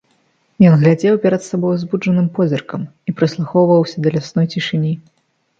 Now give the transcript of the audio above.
Ён глядзеў перад сабой узбуджаным позіркам і прыслухоўваўся да лясной цішыні.